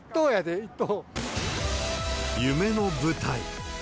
夢の舞台。